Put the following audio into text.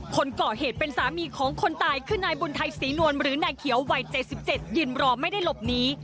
คนก่อเหตุเป็นสามีของคนตายคือนายบุญไทยศรีนวลหรือนายเขียววัย๗๗ยืนรอไม่ได้หลบหนี